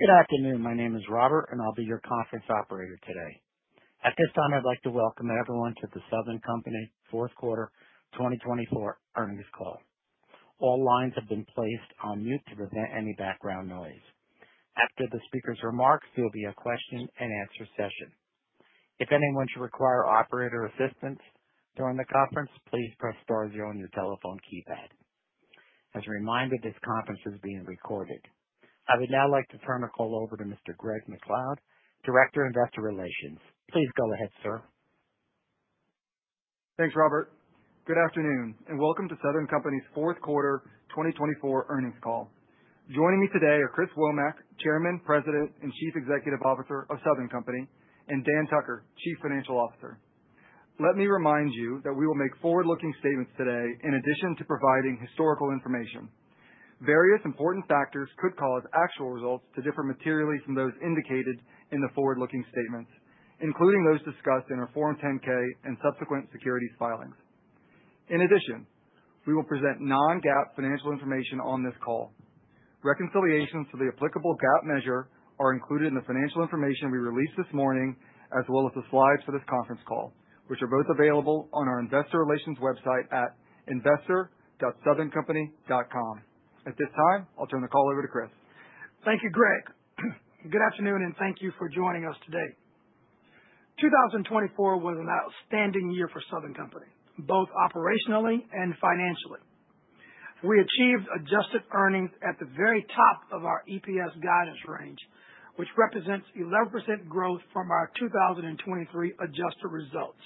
Good afternoon. My name is Robert, and I'll be your conference operator today. At this time, I'd like to welcome everyone to the Southern Company Fourth Quarter 2024 earnings call. All lines have been placed on mute to prevent any background noise. After the speaker's remarks, there will be a question-and-answer session. If anyone should require operator assistance during the conference, please press star zero on your telephone keypad. As a reminder, this conference is being recorded. I would now like to turn the call over to Mr. Greg McLeod, Director of Investor Relations. Please go ahead, sir. Thanks, Robert. Good afternoon, and welcome to Southern Company's Fourth Quarter 2024 earnings call. Joining me today are Chris Womack, Chairman, President, and Chief Executive Officer of Southern Company, and Dan Tucker, Chief Financial Officer. Let me remind you that we will make forward-looking statements today in addition to providing historical information. Various important factors could cause actual results to differ materially from those indicated in the forward-looking statements, including those discussed in our Form 10-K and subsequent securities filings. In addition, we will present non-GAAP financial information on this call. Reconciliations to the applicable GAAP measure are included in the financial information we released this morning, as well as the slides for this conference call, which are both available on our Investor Relations website at investor.southerncompany.com. At this time, I'll turn the call over to Chris. Thank you, Greg. Good afternoon, and thank you for joining us today. 2024 was an outstanding year for Southern Company, both operationally and financially. We achieved adjusted earnings at the very top of our EPS guidance range, which represents 11% growth from our 2023 adjusted results.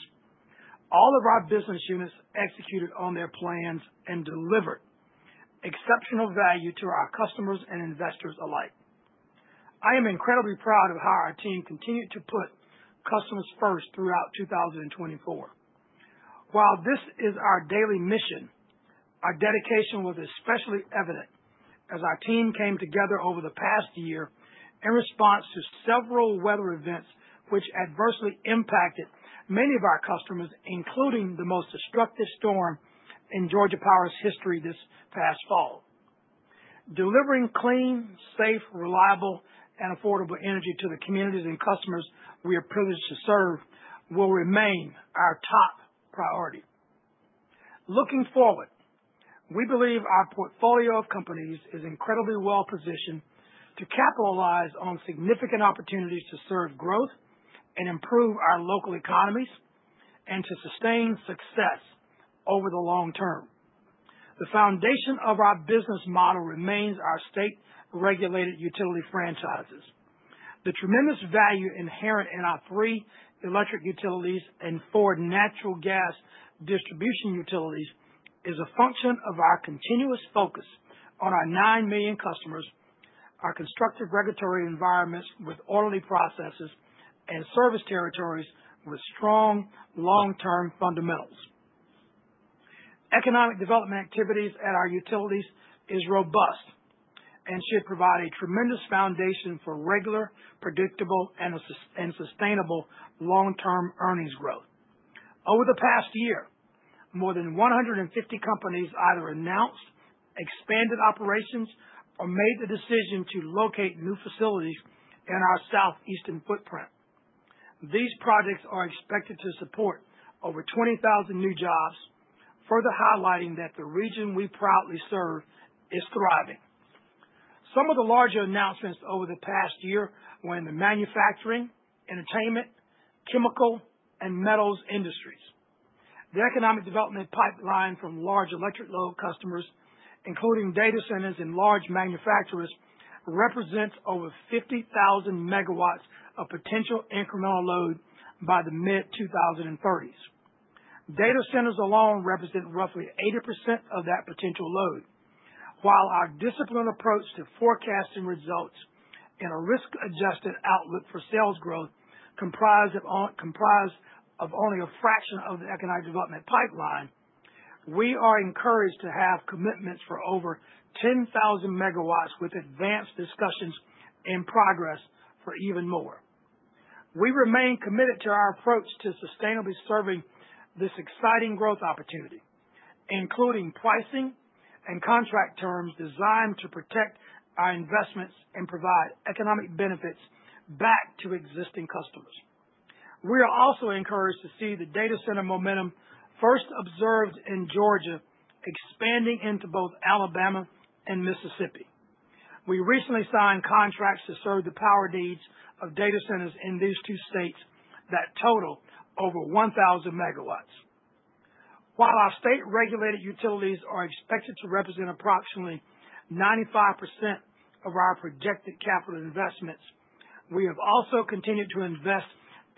All of our business units executed on their plans and delivered exceptional value to our customers and investors alike. I am incredibly proud of how our team continued to put customers first throughout 2024. While this is our daily mission, our dedication was especially evident as our team came together over the past year in response to several weather events which adversely impacted many of our customers, including the most destructive storm in Georgia Power's history this past fall. Delivering clean, safe, reliable, and affordable energy to the communities and customers we are privileged to serve will remain our top priority. Looking forward, we believe our portfolio of companies is incredibly well-positioned to capitalize on significant opportunities to serve growth and improve our local economies and to sustain success over the long term. The foundation of our business model remains our state-regulated utility franchises. The tremendous value inherent in our three electric utilities and four natural gas distribution utilities is a function of our continuous focus on our nine million customers, our constructed regulatory environments with orderly processes, and service territories with strong long-term fundamentals. Economic development activities at our utilities are robust and should provide a tremendous foundation for regular, predictable, and sustainable long-term earnings growth. Over the past year, more than 150 companies either announced, expanded operations, or made the decision to locate new facilities in our southeastern footprint. These projects are expected to support over 20,000 new jobs, further highlighting that the region we proudly serve is thriving. Some of the larger announcements over the past year were in the manufacturing, entertainment, chemical, and metals industries. The economic development pipeline from large electric load customers, including data centers and large manufacturers, represents over 50,000 megawatts of potential incremental load by the mid-2030s. Data centers alone represent roughly 80% of that potential load. While our disciplined approach to forecasting results and a risk-adjusted outlook for sales growth comprise of only a fraction of the economic development pipeline, we are encouraged to have commitments for over 10,000 megawatts with advanced discussions in progress for even more. We remain committed to our approach to sustainably serving this exciting growth opportunity, including pricing and contract terms designed to protect our investments and provide economic benefits back to existing customers. We are also encouraged to see the data center momentum first observed in Georgia expanding into both Alabama and Mississippi. We recently signed contracts to serve the power needs of data centers in these two states that total over 1,000 megawatts. While our state-regulated utilities are expected to represent approximately 95% of our projected capital investments, we have also continued to invest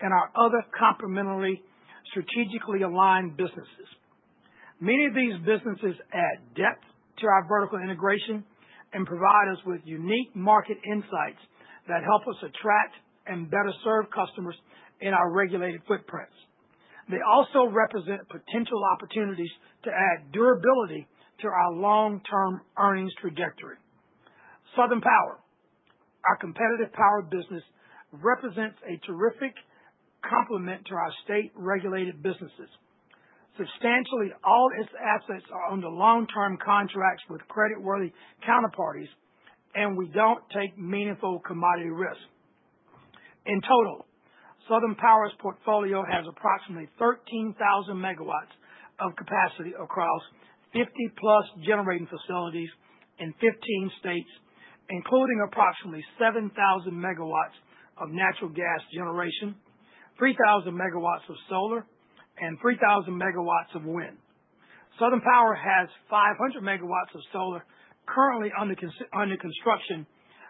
in our other complementary, strategically aligned businesses. Many of these businesses add depth to our vertical integration and provide us with unique market insights that help us attract and better serve customers in our regulated footprints. They also represent potential opportunities to add durability to our long-term earnings trajectory. Southern Power, our competitive power business, represents a terrific complement to our state-regulated businesses. Substantially all its assets are under long-term contracts with creditworthy counterparties, and we don't take meaningful commodity risk. In total, Southern Power's portfolio has approximately 13,000 megawatts of capacity across 50-plus generating facilities in 15 states, including approximately 7,000 megawatts of natural gas generation, 3,000 megawatts of solar, and 3,000 megawatts of wind. Southern Power has 500 megawatts of solar currently under construction,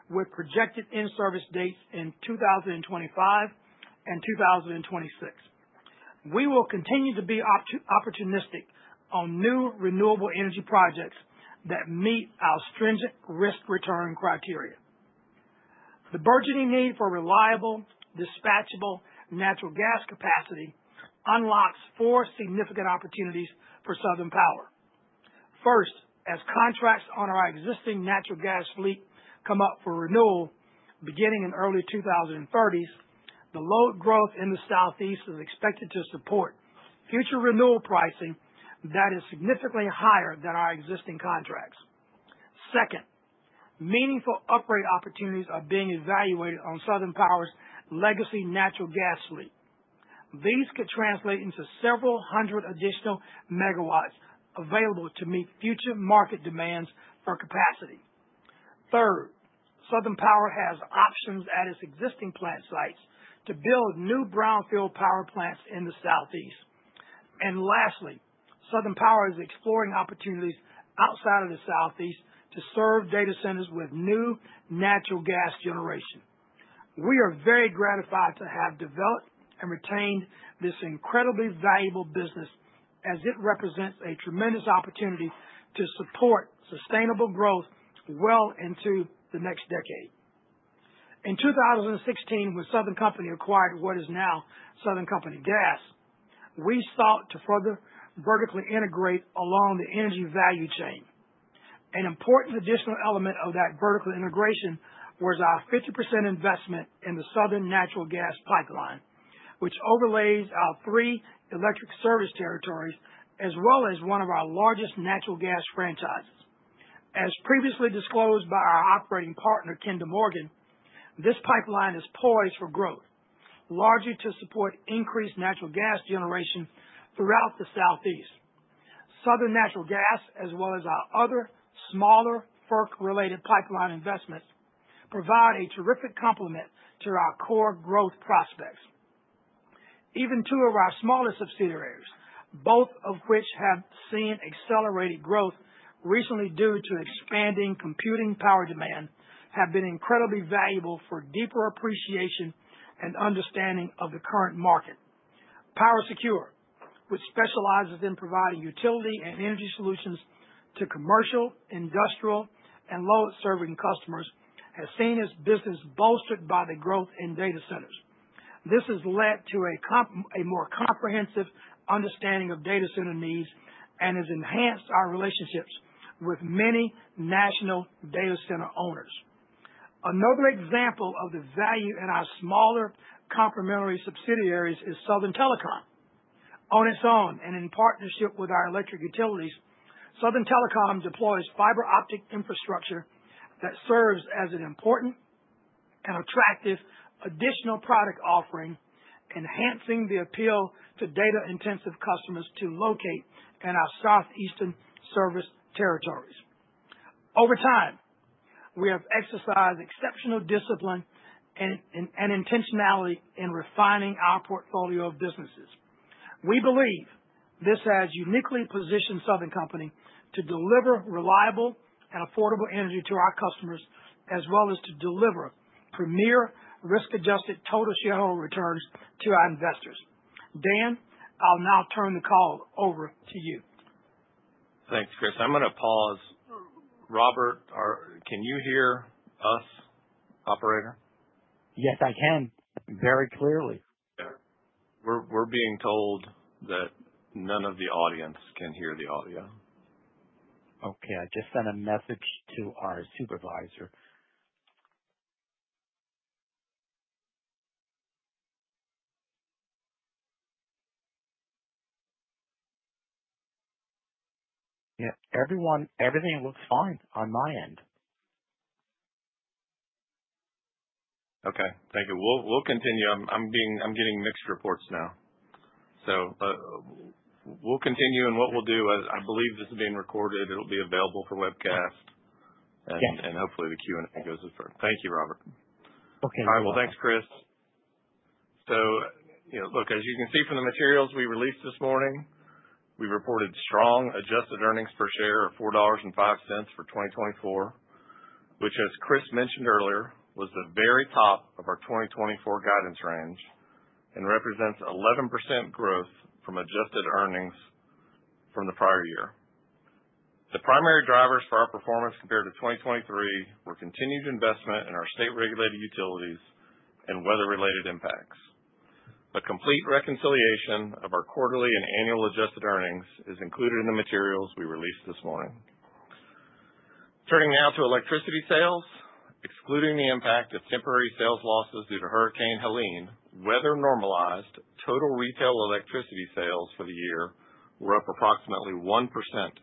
with projected in-service dates in 2025 and 2026. We will continue to be opportunistic on new renewable energy projects that meet our stringent risk-return criteria. The burgeoning need for reliable, dispatchable natural gas capacity unlocks four significant opportunities for Southern Power. First, as contracts on our existing natural gas fleet come up for renewal beginning in the early 2030s, the load growth in the Southeast is expected to support future renewal pricing that is significantly higher than our existing contracts. Second, meaningful upgrade opportunities are being evaluated on Southern Power's legacy natural gas fleet. These could translate into several hundred additional megawatts available to meet future market demands for capacity. Third, Southern Power has options at its existing plant sites to build new brownfield power plants in the Southeast. And lastly, Southern Power is exploring opportunities outside of the Southeast to serve data centers with new natural gas generation. We are very gratified to have developed and retained this incredibly valuable business, as it represents a tremendous opportunity to support sustainable growth well into the next decade. In 2016, when Southern Company acquired what is now Southern Company Gas, we sought to further vertically integrate along the energy value chain. An important additional element of that vertical integration was our 50% investment in the Southern Natural Gas Pipeline, which overlays our three electric service territories, as well as one of our largest natural gas franchises. As previously disclosed by our operating partner, Kinder Morgan, this pipeline is poised for growth, largely to support increased natural gas generation throughout the Southeast. Southern Natural Gas, as well as our other smaller FERC-related pipeline investments, provide a terrific complement to our core growth prospects. Even two of our smaller subsidiaries, both of which have seen accelerated growth recently due to expanding computing power demand, have been incredibly valuable for deeper appreciation and understanding of the current market. PowerSecure, which specializes in providing utility and energy solutions to commercial, industrial, and load-serving customers, has seen its business bolstered by the growth in data centers. This has led to a more comprehensive understanding of data center needs and has enhanced our relationships with many national data center owners. Another example of the value in our smaller complementary subsidiaries is Southern Telecom. On its own and in partnership with our electric utilities, Southern Telecom deploys fiber optic infrastructure that serves as an important and attractive additional product offering, enhancing the appeal to data-intensive customers to locate in our southeastern service territories. Over time, we have exercised exceptional discipline and intentionality in refining our portfolio of businesses. We believe this has uniquely positioned Southern Company to deliver reliable and affordable energy to our customers, as well as to deliver premier risk-adjusted total shareholder returns to our investors. Dan, I'll now turn the call over to you. Thanks, Chris. I'm going to pause. Robert, can you hear us, operator? Yes, I can. Very clearly. We're being told that none of the audience can hear the audio. Okay. I just sent a message to our supervisor. Everything looks fine on my end. Okay. Thank you. We'll continue. I'm getting mixed reports now. So we'll continue, and what we'll do, I believe this is being recorded. It'll be available for webcast, and hopefully the Q&A goes as well. Thank you, Robert. Okay. All right. Well, thanks, Chris. So look, as you can see from the materials we released this morning, we reported strong adjusted earnings per share of $4.05 for 2024, which, as Chris mentioned earlier, was the very top of our 2024 guidance range and represents 11% growth from adjusted earnings from the prior year. The primary drivers for our performance compared to 2023 were continued investment in our state-regulated utilities and weather-related impacts. A complete reconciliation of our quarterly and annual adjusted earnings is included in the materials we released this morning. Turning now to electricity sales, excluding the impact of temporary sales losses due to Hurricane Helene, weather normalized total retail electricity sales for the year were up approximately 1%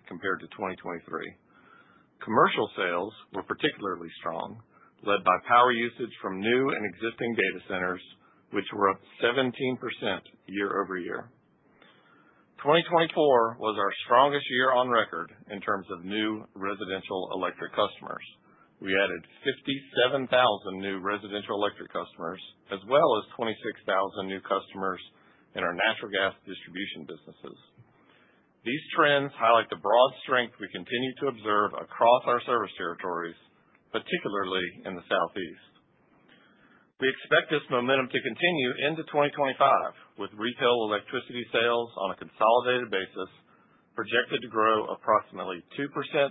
compared to 2023. Commercial sales were particularly strong, led by power usage from new and existing data centers, which were up 17% year over year. 2024 was our strongest year on record in terms of new residential electric customers. We added 57,000 new residential electric customers, as well as 26,000 new customers in our natural gas distribution businesses. These trends highlight the broad strength we continue to observe across our service territories, particularly in the Southeast. We expect this momentum to continue into 2025, with retail electricity sales on a consolidated basis projected to grow approximately 2% to 3%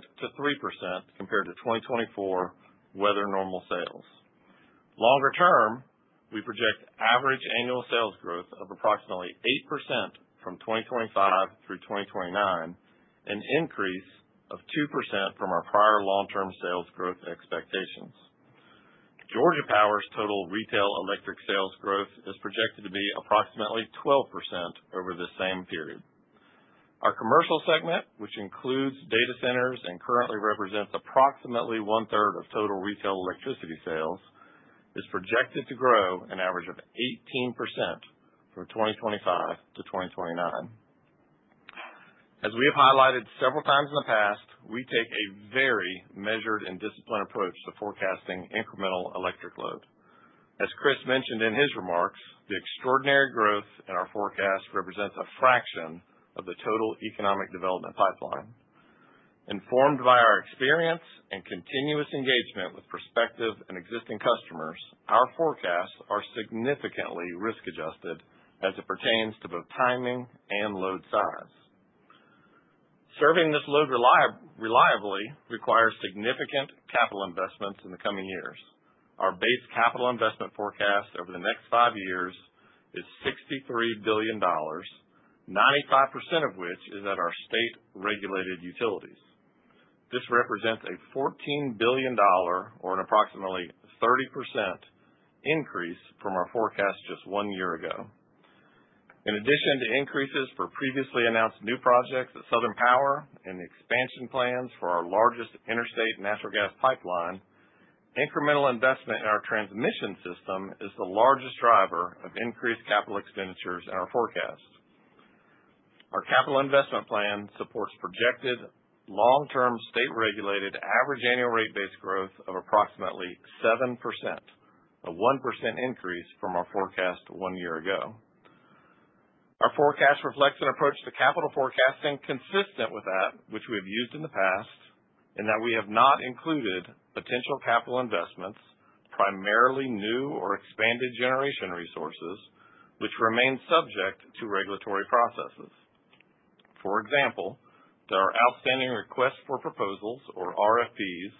compared to 2024 weather normal sales. Longer term, we project average annual sales growth of approximately 8% from 2025 through 2029, an increase of 2% from our prior long-term sales growth expectations. Georgia Power's total retail electric sales growth is projected to be approximately 12% over the same period. Our commercial segment, which includes data centers and currently represents approximately one-third of total retail electricity sales, is projected to grow an average of 18% from 2025 to 2029. As we have highlighted several times in the past, we take a very measured and disciplined approach to forecasting incremental electric load. As Chris mentioned in his remarks, the extraordinary growth in our forecast represents a fraction of the total economic development pipeline. Informed by our experience and continuous engagement with prospective and existing customers, our forecasts are significantly risk-adjusted as it pertains to both timing and load size. Serving this load reliably requires significant capital investments in the coming years. Our base capital investment forecast over the next five years is $63 billion, 95% of which is at our state-regulated utilities. This represents a $14 billion, or an approximately 30% increase from our forecast just one year ago. In addition to increases for previously announced new projects at Southern Power and the expansion plans for our largest interstate natural gas pipeline, incremental investment in our transmission system is the largest driver of increased capital expenditures in our forecast. Our capital investment plan supports projected long-term state-regulated average annual rate base growth of approximately 7%, a 1% increase from our forecast one year ago. Our forecast reflects an approach to capital forecasting consistent with that which we have used in the past, in that we have not included potential capital investments, primarily new or expanded generation resources, which remain subject to regulatory processes. For example, there are outstanding requests for proposals, or RFPs,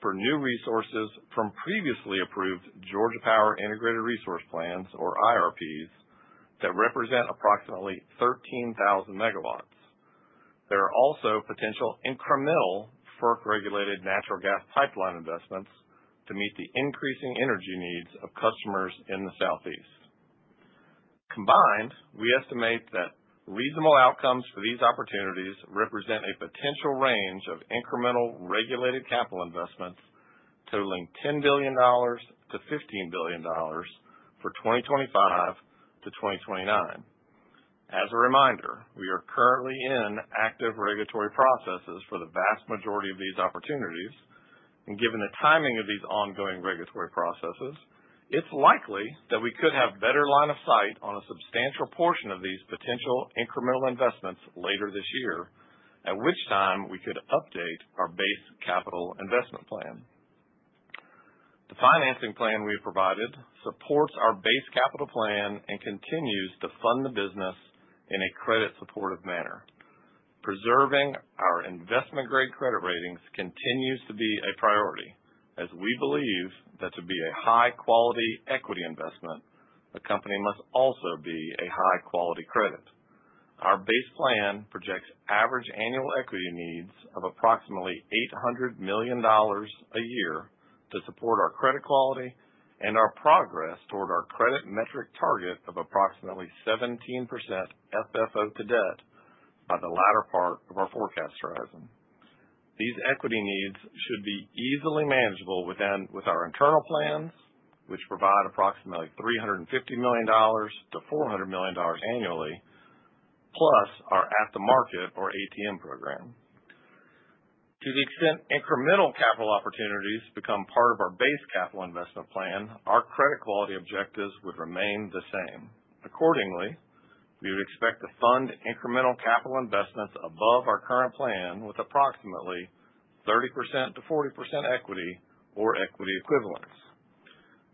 for new resources from previously approved Georgia Power Integrated Resource Plans, or IRPs, that represent approximately 13,000 megawatts. There are also potential incremental FERC-regulated natural gas pipeline investments to meet the increasing energy needs of customers in the Southeast. Combined, we estimate that reasonable outcomes for these opportunities represent a potential range of incremental regulated capital investments totaling $10 billion-$15 billion for 2025 to 2029. As a reminder, we are currently in active regulatory processes for the vast majority of these opportunities, and given the timing of these ongoing regulatory processes, it's likely that we could have better line of sight on a substantial portion of these potential incremental investments later this year, at which time we could update our base capital investment plan. The financing plan we have provided supports our base capital plan and continues to fund the business in a credit-supportive manner. Preserving our investment-grade credit ratings continues to be a priority, as we believe that to be a high-quality equity investment, the company must also be a high-quality credit. Our base plan projects average annual equity needs of approximately $800 million a year to support our credit quality and our progress toward our credit metric target of approximately 17% FFO to debt by the latter part of our forecast horizon. These equity needs should be easily manageable with our internal plans, which provide approximately $350 million-$400 million annually, plus our At the Market, or ATM, program. To the extent incremental capital opportunities become part of our base capital investment plan, our credit quality objectives would remain the same. Accordingly, we would expect to fund incremental capital investments above our current plan with approximately 30%-40% equity or equity equivalents.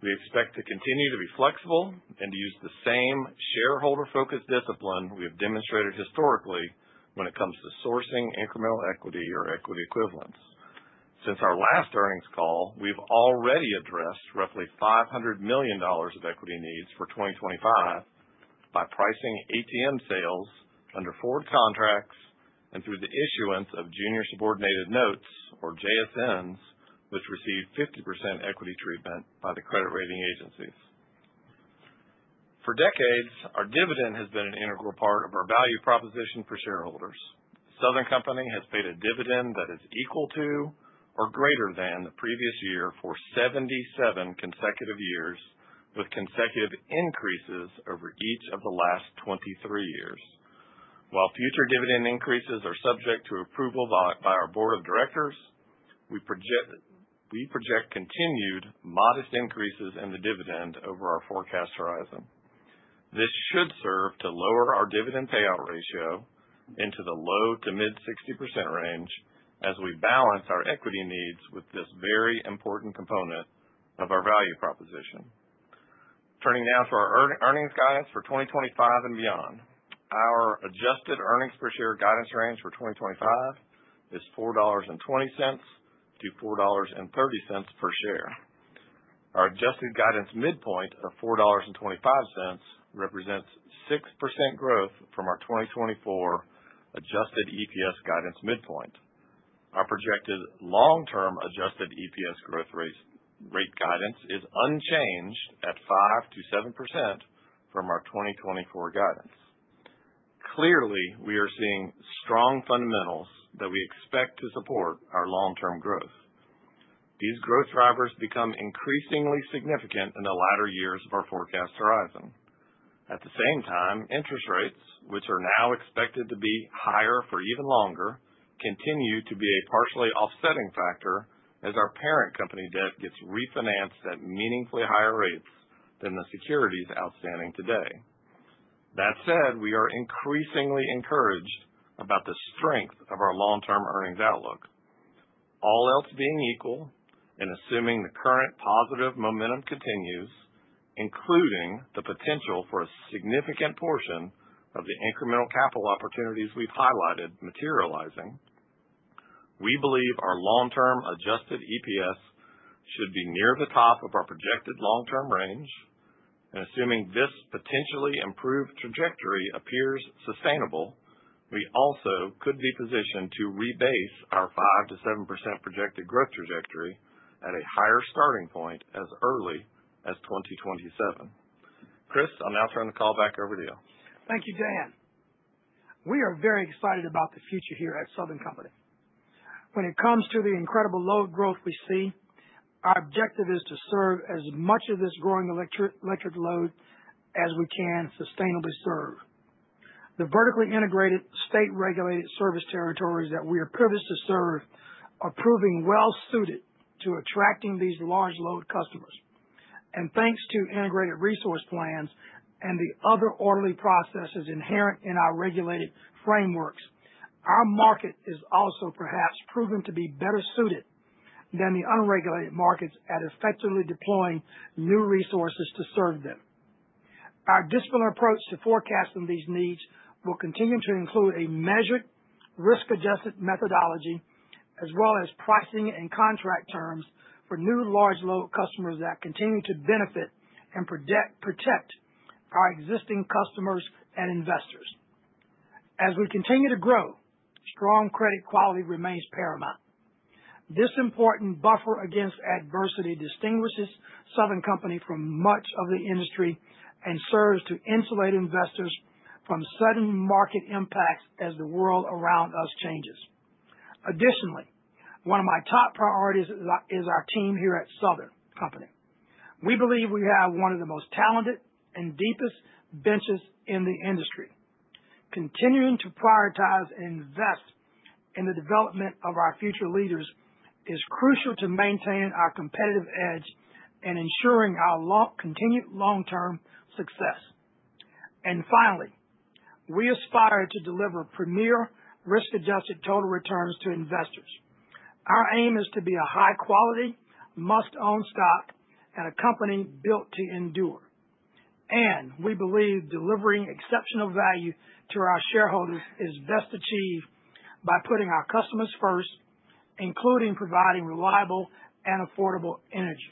We expect to continue to be flexible and to use the same shareholder-focused discipline we have demonstrated historically when it comes to sourcing incremental equity or equity equivalents. Since our last earnings call, we've already addressed roughly $500 million of equity needs for 2025 by pricing ATM sales under forward contracts and through the issuance of junior subordinated notes, or JSNs, which receive 50% equity treatment by the credit rating agencies. For decades, our dividend has been an integral part of our value proposition for shareholders. Southern Company has paid a dividend that is equal to or greater than the previous year for 77 consecutive years, with consecutive increases over each of the last 23 years. While future dividend increases are subject to approval by our board of directors, we project continued modest increases in the dividend over our forecast horizon. This should serve to lower our dividend payout ratio into the low to mid-60% range as we balance our equity needs with this very important component of our value proposition. Turning now to our earnings guidance for 2025 and beyond, our adjusted earnings per share guidance range for 2025 is $4.20-$4.30 per share. Our adjusted guidance midpoint of $4.25 represents 6% growth from our 2024 adjusted EPS guidance midpoint. Our projected long-term adjusted EPS growth rate guidance is unchanged at 5%-7% from our 2024 guidance. Clearly, we are seeing strong fundamentals that we expect to support our long-term growth. These growth drivers become increasingly significant in the latter years of our forecast horizon. At the same time, interest rates, which are now expected to be higher for even longer, continue to be a partially offsetting factor as our parent company debt gets refinanced at meaningfully higher rates than the securities outstanding today. That said, we are increasingly encouraged about the strength of our long-term earnings outlook. All else being equal and assuming the current positive momentum continues, including the potential for a significant portion of the incremental capital opportunities we've highlighted materializing, we believe our long-term adjusted EPS should be near the top of our projected long-term range, and assuming this potentially improved trajectory appears sustainable, we also could be positioned to rebase our 5%-7% projected growth trajectory at a higher starting point as early as 2027. Chris, I'll now turn the call back over to you. Thank you, Dan. We are very excited about the future here at Southern Company. When it comes to the incredible load growth we see, our objective is to serve as much of this growing electric load as we can sustainably serve. The vertically integrated state-regulated service territories that we are privileged to serve are proving well-suited to attracting these large load customers. And thanks to integrated resource plans and the other orderly processes inherent in our regulated frameworks, our market is also perhaps proving to be better suited than the unregulated markets at effectively deploying new resources to serve them. Our disciplined approach to forecasting these needs will continue to include a measured, risk-adjusted methodology, as well as pricing and contract terms for new large load customers that continue to benefit and protect our existing customers and investors. As we continue to grow, strong credit quality remains paramount. This important buffer against adversity distinguishes Southern Company from much of the industry and serves to insulate investors from sudden market impacts as the world around us changes. Additionally, one of my top priorities is our team here at Southern Company. We believe we have one of the most talented and deepest benches in the industry. Continuing to prioritize and invest in the development of our future leaders is crucial to maintaining our competitive edge and ensuring our continued long-term success. And finally, we aspire to deliver premier risk-adjusted total returns to investors. Our aim is to be a high-quality, must-own stock and a company built to endure. And we believe delivering exceptional value to our shareholders is best achieved by putting our customers first, including providing reliable and affordable energy.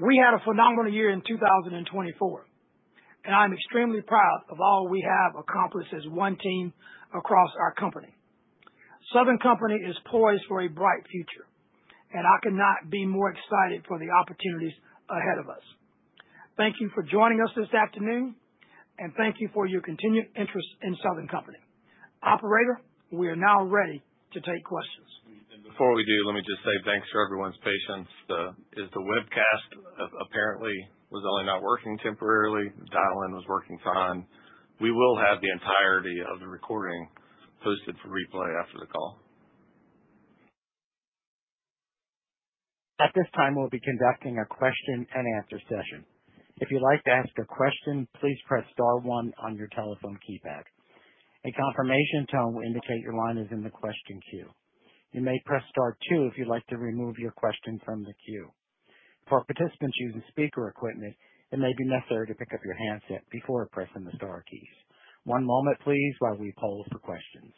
We had a phenomenal year in 2024, and I'm extremely proud of all we have accomplished as one team across our company. Southern Company is poised for a bright future, and I cannot be more excited for the opportunities ahead of us. Thank you for joining us this afternoon, and thank you for your continued interest in Southern Company. Operator, we are now ready to take questions. And before we do, let me just say thanks for everyone's patience. The webcast apparently was only not working temporarily. Dial-in was working fine. We will have the entirety of the recording posted for replay after the call. At this time, we'll be conducting a question-and-answer session. If you'd like to ask a question, please press Star 1 on your telephone keypad. A confirmation tone will indicate your line is in the question queue. You may press Star 2 if you'd like to remove your question from the queue. For participants using speaker equipment, it may be necessary to pick up your handset before pressing the Star keys. One moment, please, while we poll for questions.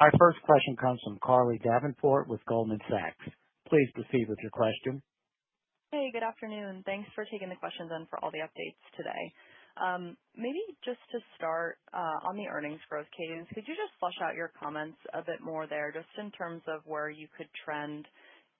Our first question comes from Carly Davenport with Goldman Sachs. Please proceed with your question. Hey, good afternoon. Thanks for taking the questions and for all the updates today. Maybe just to start on the earnings growth cadence, could you just flesh out your comments a bit more there just in terms of where you could trend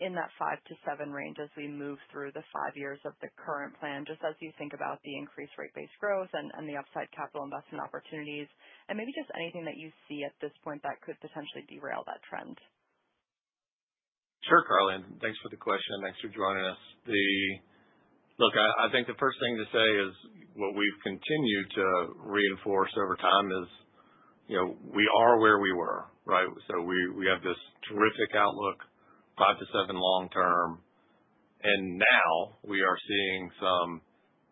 in that 5%-7% range as we move through the five years of the current plan, just as you think about the increased rate-based growth and the upside capital investment opportunities, and maybe just anything that you see at this point that could potentially derail that trend? Sure, Carly. And thanks for the question. Thanks for joining us. Look, I think the first thing to say is what we've continued to reinforce over time is we are where we were, right? So we have this terrific outlook, 5%-7% long-term. And now we are seeing some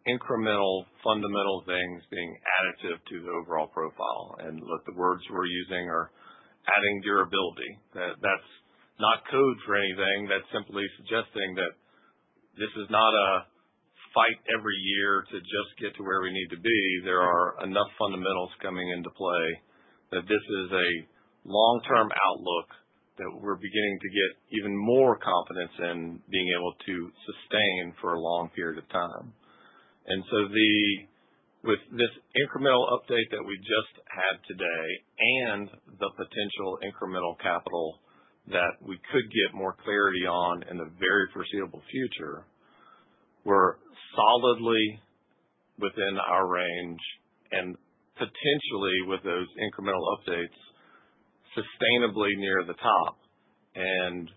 incremental fundamental things being additive to the overall profile. And look, the words we're using are adding durability. That's not code for anything. That's simply suggesting that this is not a fight every year to just get to where we need to be. There are enough fundamentals coming into play that this is a long-term outlook that we're beginning to get even more confidence in being able to sustain for a long period of time. And so with this incremental update that we just had today and the potential incremental capital that we could get more clarity on in the very foreseeable future, we're solidly within our range and potentially, with those incremental updates, sustainably near the top. And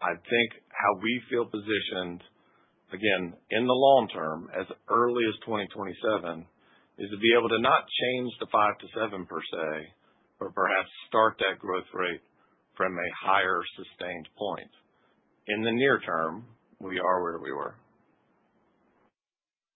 I think how we feel positioned, again, in the long term as early as 2027, is to be able to not change the 5%-7% per se, but perhaps start that growth rate from a higher sustained point. In the near term, we are where we were.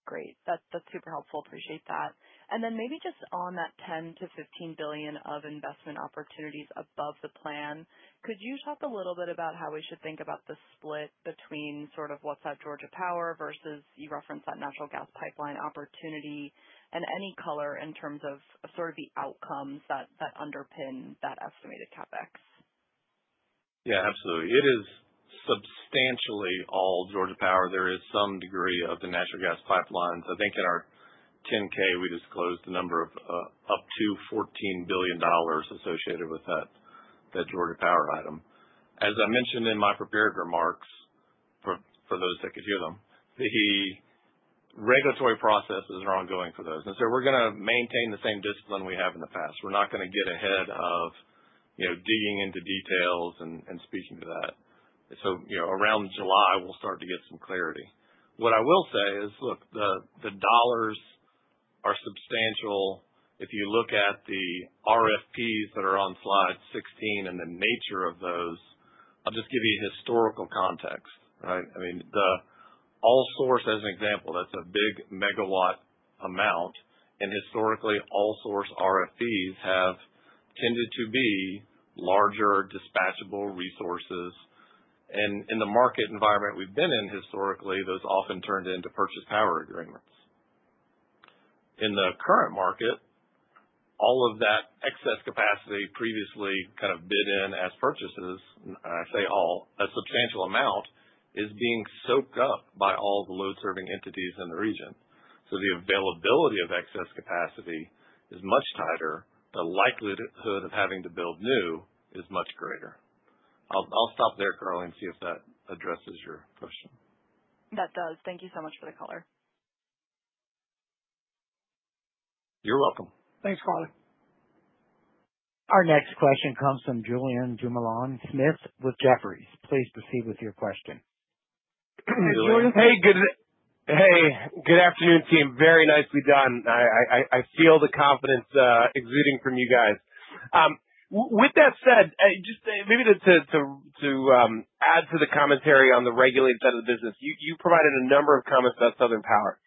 Great. That's super helpful. Appreciate that. And then maybe just on that $10-$15 billion of investment opportunities above the plan, could you talk a little bit about how we should think about the split between sort of what's at Georgia Power versus you referenced that natural gas pipeline opportunity and any color in terms of sort of the outcomes that underpin that estimated CapEx? Yeah, absolutely. It is substantially all Georgia Power. There is some degree of the natural gas pipeline. I think in our 10-K, we disclosed the number of up to $14 billion associated with that Georgia Power item. As I mentioned in my prepared remarks for those that could hear them, the regulatory processes are ongoing for those, and so we're going to maintain the same discipline we have in the past. We're not going to get ahead of digging into details and speaking to that, so around July, we'll start to get some clarity. What I will say is, look, the dollars are substantial. If you look at the RFPs that are on slide 16 and the nature of those, I'll just give you historical context, right? I mean, the All-Source, as an example, that's a big megawatt amount, and historically, All-Source RFPs have tended to be larger dispatchable resources. And in the market environment we've been in historically, those often turned into purchase power agreements. In the current market, all of that excess capacity previously kind of bid in as purchases, and I say all, a substantial amount is being soaked up by all the load-serving entities in the region. So the availability of excess capacity is much tighter. The likelihood of having to build new is much greater. I'll stop there, Carly, and see if that addresses your question. That does. Thank you so much for the color. You're welcome. Thanks, Carly. Our next question comes from Julien Dumoulin-Smith with Jefferies. Please proceed with your question. Hey, Jordan. Hey, good afternoon, team. Very nicely done. I feel the confidence exuding from you guys. With that said, just maybe to add to the commentary on the regulated side of the business, you provided a number of comments about Southern Power.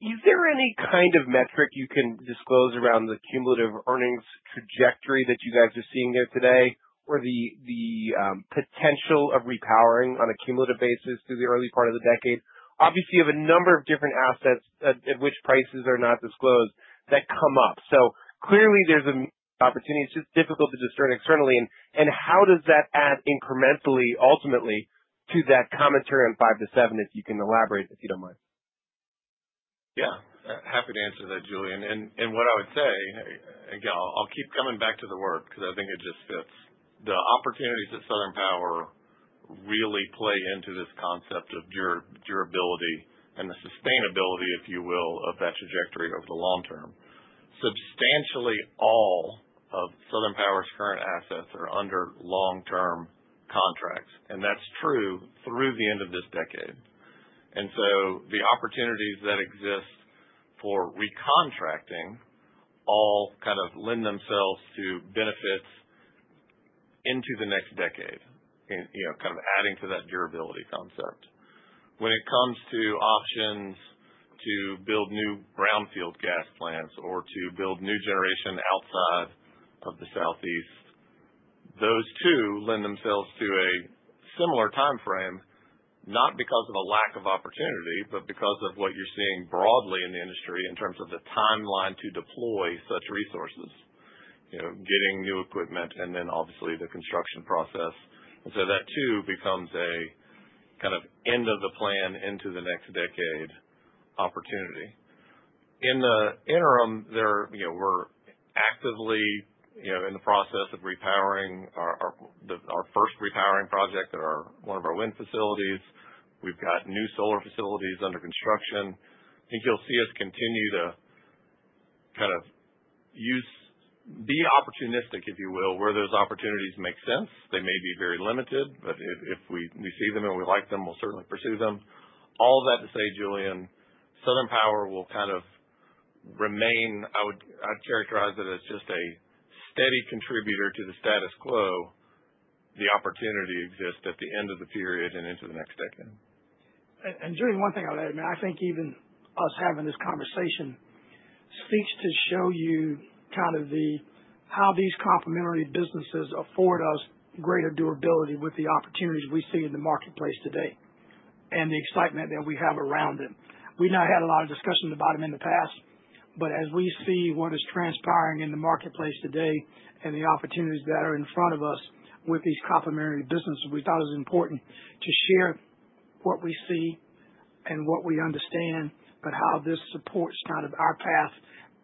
Is there any kind of metric you can disclose around the cumulative earnings trajectory that you guys are seeing there today or the potential of repowering on a cumulative basis through the early part of the decade? Obviously, you have a number of different assets at which prices are not disclosed that come up. So clearly, there's an opportunity. It's just difficult to discern externally. And how does that add incrementally, ultimately, to that commentary on 5%-7% if you can elaborate, if you don't mind? Yeah. Happy to answer that, Julien, and what I would say, again, I'll keep coming back to the word because I think it just fits. The opportunities at Southern Power really play into this concept of durability and the sustainability, if you will, of that trajectory over the long term. Substantially all of Southern Power's current assets are under long-term contracts, and that's true through the end of this decade, and so the opportunities that exist for recontracting all kind of lend themselves to benefits into the next decade, kind of adding to that durability concept. When it comes to options to build new brownfield gas plants or to build new generation outside of the Southeast, those too lend themselves to a similar time frame, not because of a lack of opportunity, but because of what you're seeing broadly in the industry in terms of the timeline to deploy such resources, getting new equipment, and then obviously the construction process. And so that too becomes a kind of end-of-the-plan into-the-next-decade opportunity. In the interim, we're actively in the process of repowering our first repowering project at one of our wind facilities. We've got new solar facilities under construction. I think you'll see us continue to kind of be opportunistic, if you will, where those opportunities make sense. They may be very limited, but if we see them and we like them, we'll certainly pursue them. All of that to say, Julien, Southern Power will kind of remain, I would characterize it as just a steady contributor to the status quo. The opportunity exists at the end of the period and into the next decade. And, Julien, one thing I would add, I mean, I think even us having this conversation speaks to show you kind of how these complementary businesses afford us greater durability with the opportunities we see in the marketplace today and the excitement that we have around them. We've not had a lot of discussion about them in the past, but as we see what is transpiring in the marketplace today and the opportunities that are in front of us with these complementary businesses, we thought it was important to share what we see and what we understand, but how this supports kind of our path,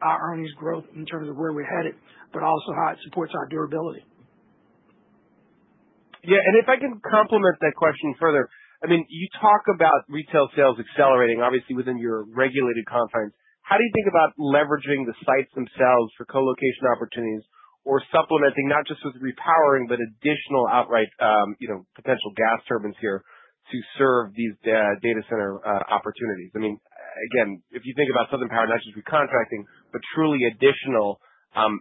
our earnings growth in terms of where we're headed, but also how it supports our durability. Yeah. And if I can complement that question further, I mean, you talk about retail sales accelerating, obviously, within your regulated franchise. How do you think about leveraging the sites themselves for colocation opportunities or supplementing not just with repowering, but additional outright potential gas turbines here to serve these data center opportunities? I mean, again, if you think about Southern Power, not just recontracting, but truly additional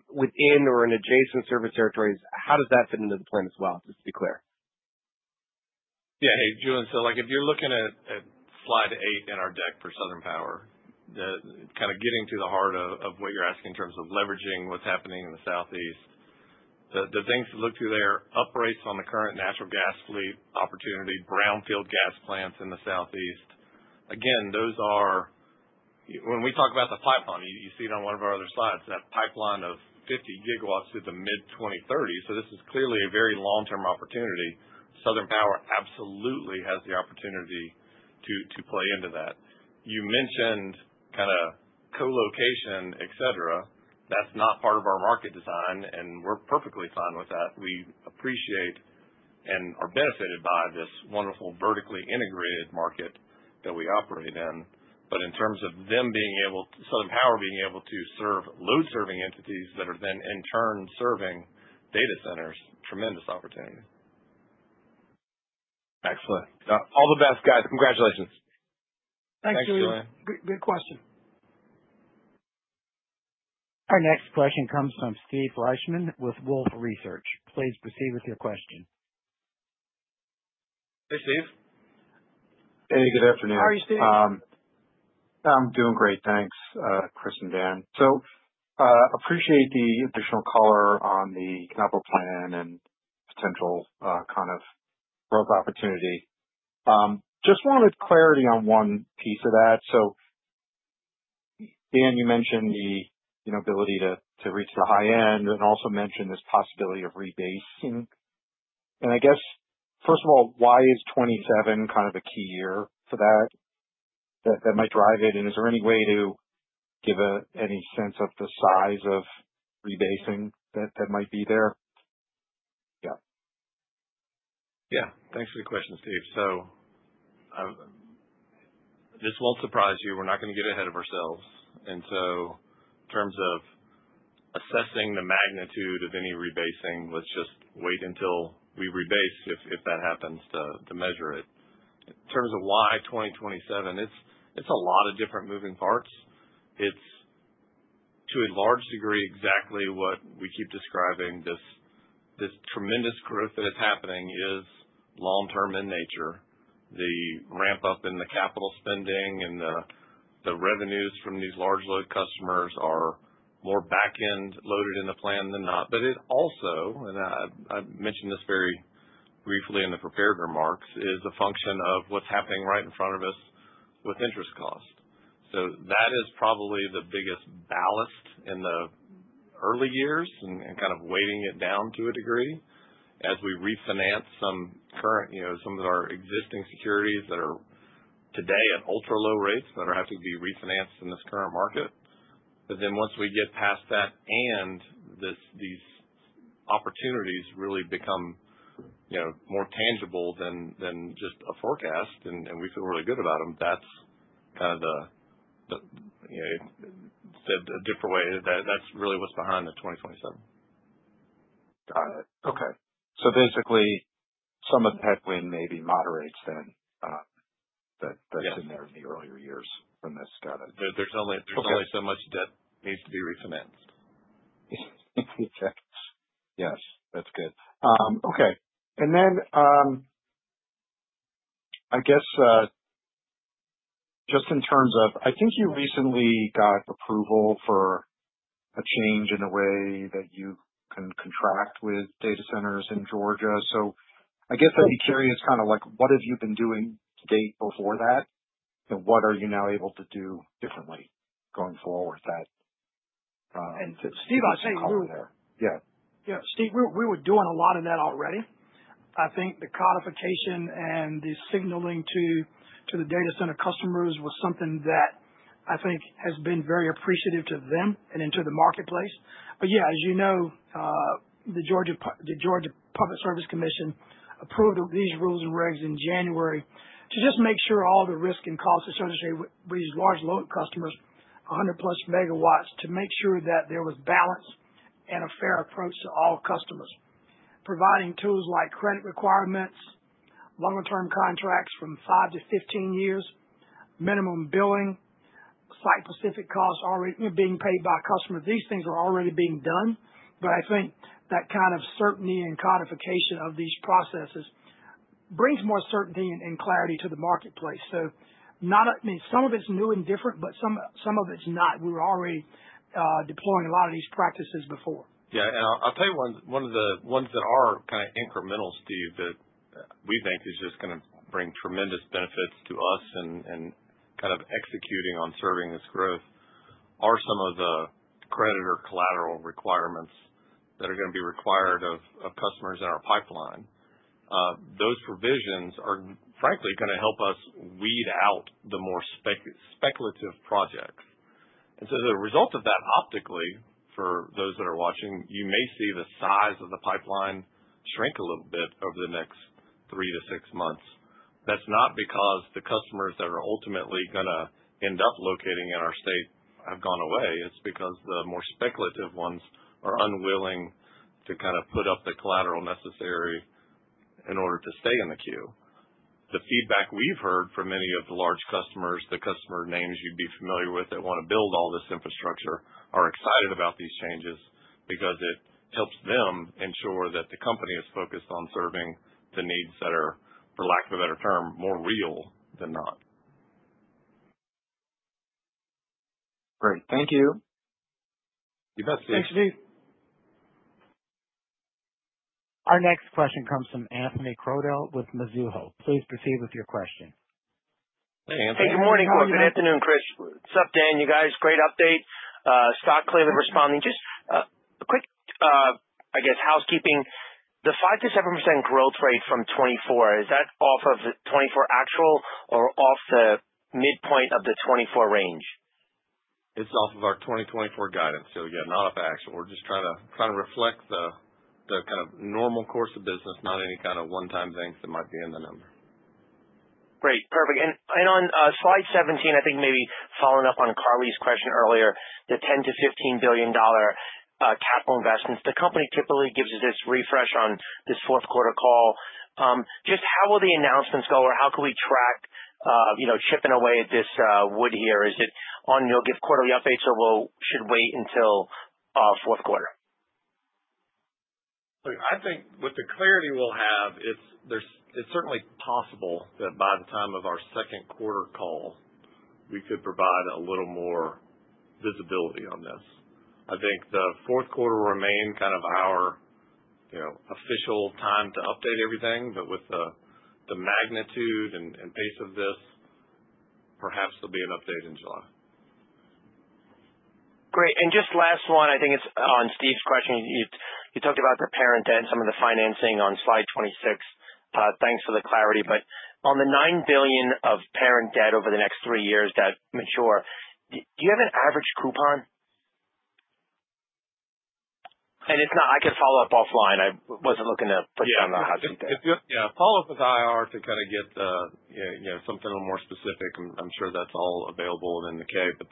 within or in adjacent service territories, how does that fit into the plan as well, just to be clear? Yeah. Hey, Julien, so if you're looking at slide 8 in our deck for Southern Power, kind of getting to the heart of what you're asking in terms of leveraging what's happening in the Southeast, the things to look to there are uprates on the current natural gas fleet opportunity, brownfield gas plants in the Southeast. Again, those are when we talk about the pipeline, you see it on one of our other slides, that pipeline of 50 gigawatts through the mid-2030s. So this is clearly a very long-term opportunity. Southern Power absolutely has the opportunity to play into that. You mentioned kind of colocation, etc. That's not part of our market design, and we're perfectly fine with that. We appreciate and are benefited by this wonderful vertically integrated market that we operate in. But in terms of Southern Power being able to serve load-serving entities that are then in turn serving data centers, tremendous opportunity. Excellent. All the best, guys. Congratulations. Thanks, Julien. Good question. Our next question comes from Steve Fleischmann with Wolfe Research. Please proceed with your question. Hey, Steve. Hey, good afternoon. How are you, Steve? I'm doing great. Thanks, Chris and Dan. So appreciate the additional color on the capital plan and potential kind of growth opportunity. Just wanted clarity on one piece of that. So, Dan, you mentioned the ability to reach the high end and also mentioned this possibility of rebasing. And I guess, first of all, why is 2027 kind of a key year for that? That might drive it. And is there any way to give any sense of the size of rebasing that might be there? Yeah. Yeah. Thanks for the question, Steve. So this won't surprise you. We're not going to get ahead of ourselves. And so in terms of assessing the magnitude of any rebasing, let's just wait until we rebase, if that happens, to measure it. In terms of why 2027, it's a lot of different moving parts. It's, to a large degree, exactly what we keep describing. This tremendous growth that is happening is long-term in nature. The ramp-up in the capital spending and the revenues from these large load customers are more back-end loaded in the plan than not. But it also, and I mentioned this very briefly in the prepared remarks, is a function of what's happening right in front of us with interest costs. So that is probably the biggest ballast in the early years and kind of weighing it down to a degree as we refinance some of our existing securities that are today at ultra-low rates that are having to be refinanced in this current market. But then once we get past that and these opportunities really become more tangible than just a forecast and we feel really good about them, that's kind of the, said a different way, that's really what's behind the 2027. Got it. Okay. So basically, some of the headwind may be moderates then that's in there in the earlier years from this. Got it. There's only so much debt that needs to be refinanced. Yes. That's good. Okay. And then I guess just in terms of, I think you recently got approval for a change in the way that you can contract with data centers in Georgia. So I guess I'd be curious kind of what have you been doing to date before that? And what are you now able to do differently going forward that Steve I'll say you. Yeah. Yeah. Steve, we were doing a lot of that already. I think the codification and the signaling to the data center customers was something that I think has been very appreciative to them and into the marketplace. But yeah, as you know, the Georgia Public Service Commission approved these rules and regs in January to just make sure all the risk and costs associated with these large load customers, 100-plus megawatts, to make sure that there was balance and a fair approach to all customers, providing tools like credit requirements, longer-term contracts from 5 to 15 years, minimum billing, site-specific costs already being paid by customers. These things are already being done. But I think that kind of certainty and codification of these processes brings more certainty and clarity to the marketplace. So I mean, some of it's new and different, but some of it's not. We were already deploying a lot of these practices before. Yeah. And I'll tell you one of the ones that are kind of incrementals, Steve, that we think is just going to bring tremendous benefits to us in kind of executing on serving this growth are some of the creditor collateral requirements that are going to be required of customers in our pipeline. Those provisions are, frankly, going to help us weed out the more speculative projects. And so the result of that, optically, for those that are watching, you may see the size of the pipeline shrink a little bit over the next three to six months. That's not because the customers that are ultimately going to end up locating in our state have gone away. It's because the more speculative ones are unwilling to kind of put up the collateral necessary in order to stay in the queue. The feedback we've heard from many of the large customers, the customer names you'd be familiar with that want to build all this infrastructure, are excited about these changes because it helps them ensure that the company is focused on serving the needs that are, for lack of a better term, more real than not. Great. Thank you. You bet, Steve. Thanks, Steve. Our next question comes from Anthony Crowdell with Mizuho. Please proceed with your question. Hey, Anthony. Hey, good morning, Cor. Good afternoon, Chris. What's up, Dan? You guys? Great update. Stock clearly responding. Just a quick, I guess, housekeeping. The 5%-7% growth rate from 2024, is that off of 2024 actual or off the midpoint of the 2024 range? It's off of our 2024 guidance. So again, not off actual. We're just trying to reflect the kind of normal course of business, not any kind of one-time things that might be in the number. Great. Perfect. And on slide 17, I think maybe following up on Carly's question earlier, the $10-$15 billion capital investments, the company typically gives us this refresh on this fourth quarter call. Just how will the announcements go or how can we track chipping away at this wood here? Is it on, you'll give quarterly updates or should wait until fourth quarter? Look, I think with the clarity we'll have, it's certainly possible that by the time of our second quarter call, we could provide a little more visibility on this. I think the fourth quarter will remain kind of our official time to update everything. But with the magnitude and pace of this, perhaps there'll be an update in July. Great. And just last one, I think it's on Steve's question. You talked about the parent debt and some of the financing on slide 26. Thanks for the clarity. But on the $9 billion of parent debt over the next three years that mature, do you have an average coupon? And if not, I can follow up offline. I wasn't looking to put you on the hot seat there. Yeah. Follow up with IR to kind of get something a little more specific. I'm sure that's all available within the K, but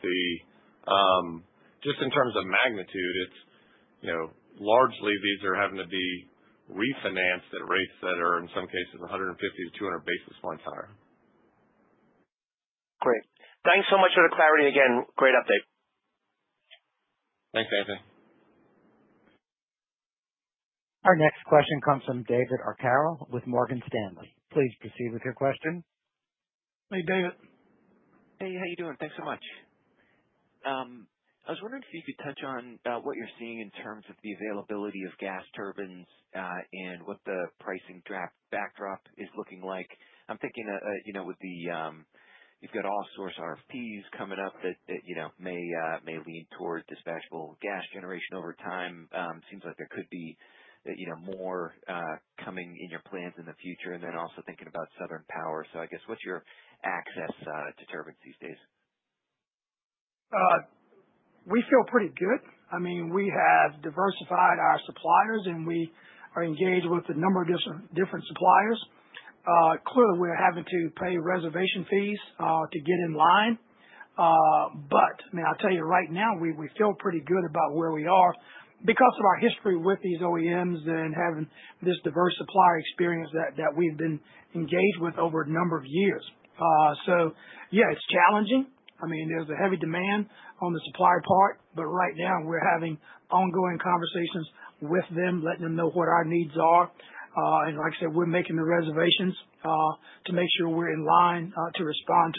just in terms of magnitude, largely these are having to be refinanced at rates that are in some cases 150-200 basis points higher. Great. Thanks so much for the clarity. Again, great update. Thanks, Anthony. Our next question comes from David Arcaro with Morgan Stanley. Please proceed with your question. Hey, David. Hey, how you doing? Thanks so much. I was wondering if you could touch on what you're seeing in terms of the availability of gas turbines and what the pricing backdrop is looking like. I'm thinking, with the All-Source RFPs you've got coming up that may lean toward dispatchable gas generation over time. Seems like there could be more coming in your plans in the future. And then also thinking about Southern Power. So I guess what's your access to turbines these days? We feel pretty good. I mean, we have diversified our suppliers, and we are engaged with a number of different suppliers. Clearly, we're having to pay reservation fees to get in line. But I mean, I'll tell you right now, we feel pretty good about where we are because of our history with these OEMs and having this diverse supply experience that we've been engaged with over a number of years. So yeah, it's challenging. I mean, there's a heavy demand on the supply part, but right now we're having ongoing conversations with them, letting them know what our needs are. And like I said, we're making the reservations to make sure we're in line to respond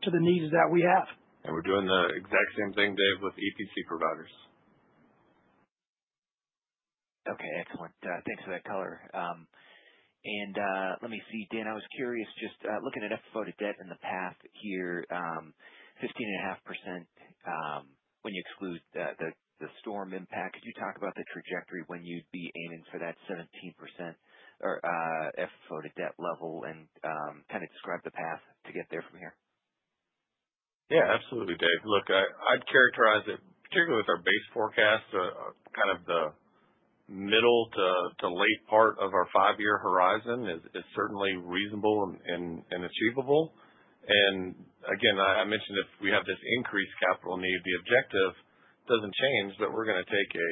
to the needs that we have. We're doing the exact same thing, Dave, with EPC providers. Okay. Excellent. Thanks for that color. And let me see, Dan, I was curious, just looking at FFO to debt in the past here, 15.5% when you exclude the storm impact. Could you talk about the trajectory when you'd be aiming for that 17% FFO to debt level and kind of describe the path to get there from here? Yeah. Absolutely, Dave. Look, I'd characterize it, particularly with our base forecast, kind of the middle to late part of our five-year horizon is certainly reasonable and achievable. And again, I mentioned if we have this increased capital need, the objective doesn't change, but we're going to take a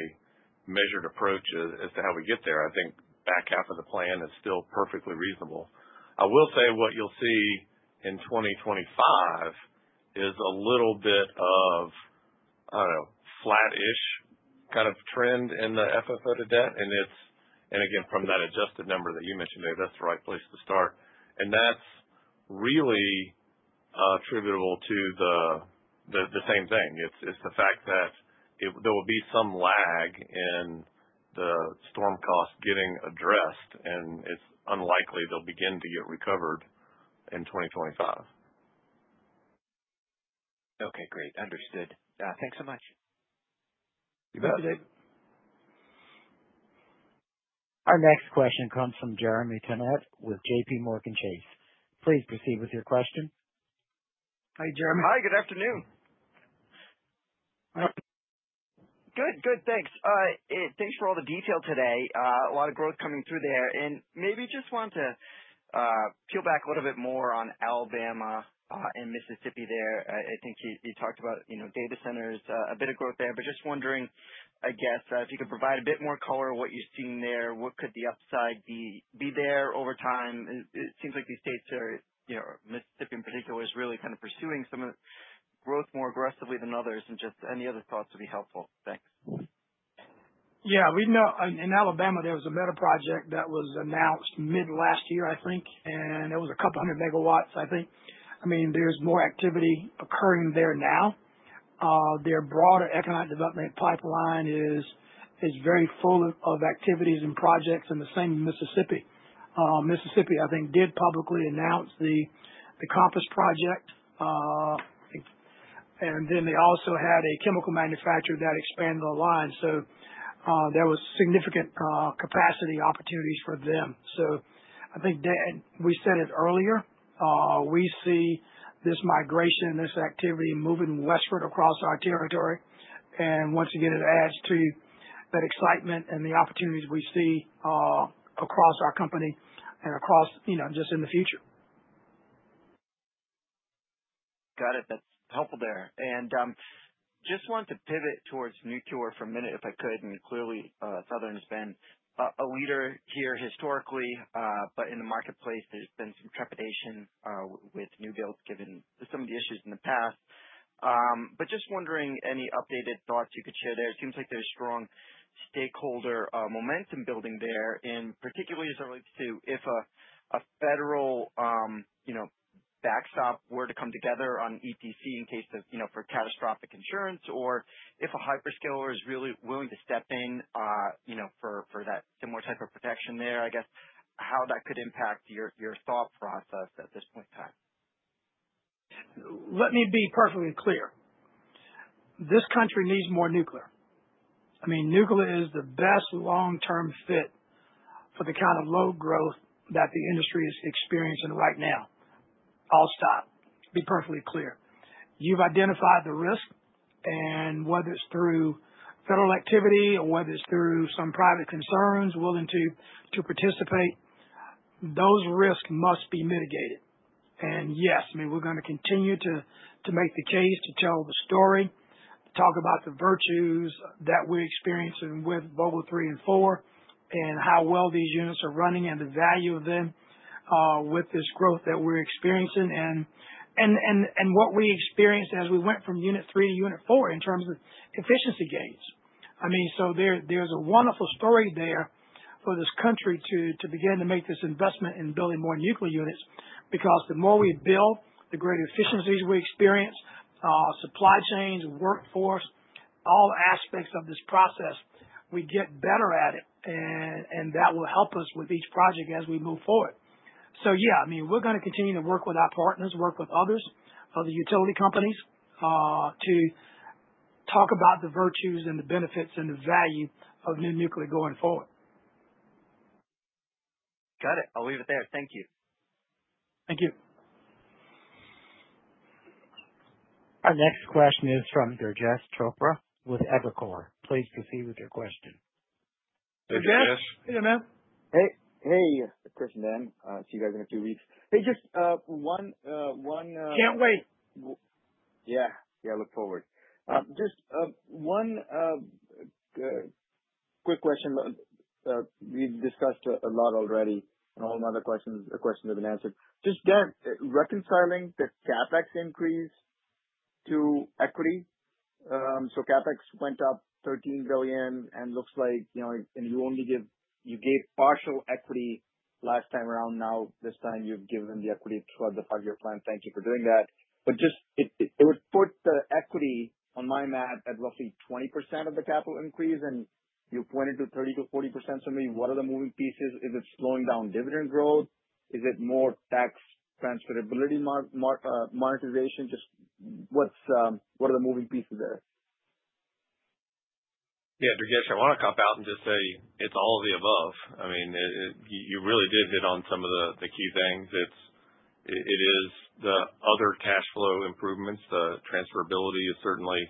measured approach as to how we get there. I think back half of the plan is still perfectly reasonable. I will say what you'll see in 2025 is a little bit of, I don't know, flat-ish kind of trend in the FFO to debt. And again, from that adjusted number that you mentioned, Dave, that's the right place to start. And that's really attributable to the same thing. It's the fact that there will be some lag in the storm costs getting addressed, and it's unlikely they'll begin to get recovered in 2025. Okay. Great. Understood. Thanks so much. You bet. Thank you, Dave. Our next question comes from Jeremy Tonet with J.P. Morgan Chase. Please proceed with your question. Hey, Jeremy. Hi. Good afternoon. Hi. Good. Good. Thanks. Thanks for all the detail today. A lot of growth coming through there. And maybe just want to peel back a little bit more on Alabama and Mississippi there. I think you talked about data centers, a bit of growth there. But just wondering, I guess, if you could provide a bit more color of what you've seen there, what could the upside be there over time? It seems like these states, Mississippi in particular, is really kind of pursuing some of the growth more aggressively than others. And just any other thoughts would be helpful. Thanks. Yeah. In Alabama, there was a Meta project that was announced mid-last year, I think, and it was a couple hundred megawatts, I think. I mean, there's more activity occurring there now. Their broader economic development pipeline is very full of activities and projects in the same Mississippi. Mississippi, I think, did publicly announce the Compass project. And then they also had a chemical manufacturer that expanded the line. So there was significant capacity opportunities for them. So I think we said it earlier, we see this migration and this activity moving westward across our territory. And once again, it adds to that excitement and the opportunities we see across our company and across just in the future. Got it. That's helpful there. And just want to pivot towards nuclear for a minute, if I could. And clearly, Southern has been a leader here historically, but in the marketplace, there's been some trepidation with new builds given some of the issues in the past. But just wondering any updated thoughts you could share there. It seems like there's strong stakeholder momentum building there, and particularly as it relates to if a federal backstop were to come together on EPC in case of catastrophic insurance, or if a hyperscaler is really willing to step in for that similar type of protection there, I guess, how that could impact your thought process at this point in time. Let me be perfectly clear. This country needs more nuclear. I mean, nuclear is the best long-term fit for the kind of load growth that the industry is experiencing right now. I'll stop. Be perfectly clear. You've identified the risk, and whether it's through federal activity or whether it's through some private concerns willing to participate, those risks must be mitigated. And yes, I mean, we're going to continue to make the case to tell the story, talk about the virtues that we're experiencing with Vogtle 3 and 4, and how well these units are running and the value of them with this growth that we're experiencing, and what we experienced as we went from unit 3 to unit 4 in terms of efficiency gains. I mean, so there's a wonderful story there for this country to begin to make this investment in building more nuclear units because the more we build, the greater efficiencies we experience, supply chains, workforce, all aspects of this process, we get better at it, and that will help us with each project as we move forward. So yeah, I mean, we're going to continue to work with our partners, work with others, other utility companies to talk about the virtues and the benefits and the value of new nuclear going forward. Got it. I'll leave it there. Thank you. Thank you. Our next question is from Durgesh Chopra with Evercore ISI. Please proceed with your question. Hey, Durgesh. Hey, Jeff. Hey, man. Hey. Hey, Chris, Dan. See you guys in a few weeks. Hey, just one. Can't wait. Yeah. Yeah. I look forward. Just one quick question. We've discussed a lot already, and all my other questions have been answered. Just that reconciling the CapEx increase to equity. So CapEx went up $13 billion, and looks like you only gave partial equity last time around. Now this time, you've given the equity throughout the five-year plan. Thank you for doing that. But just it would put the equity on my map at roughly 20% of the capital increase, and you pointed to 30%-40%. So maybe what are the moving pieces? Is it slowing down dividend growth? Is it more tax transferability monetization? Just what are the moving pieces there? Yeah. Gurjash, I want to cop out and just say it's all of the above. I mean, you really did hit on some of the key things. It is the other cash flow improvements. The transferability is certainly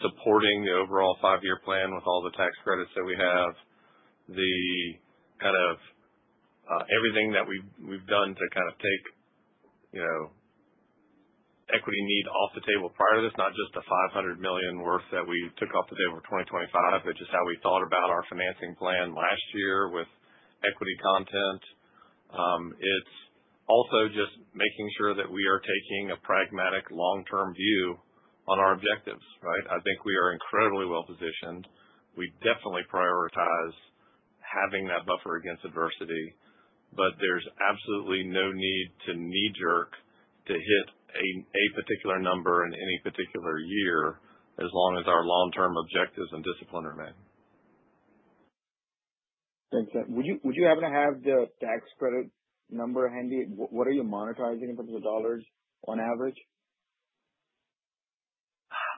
supporting the overall five-year plan with all the tax credits that we have. The kind of everything that we've done to kind of take equity need off the table prior to this, not just the $500 million worth that we took off the table for 2025, but just how we thought about our financing plan last year with equity content. It's also just making sure that we are taking a pragmatic long-term view on our objectives, right? I think we are incredibly well-positioned. We definitely prioritize having that buffer against adversity, but there's absolutely no need to knee-jerk to hit a particular number in any particular year as long as our long-term objectives and discipline remain. Thanks, Dan. Would you happen to have the tax credit number handy? What are you monetizing in terms of dollars on average?